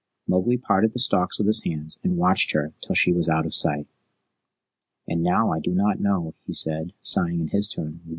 Mowgli parted the stalks with his hands and watched her till she was out of sight. "And now I do not know," he said, sighing in his turn.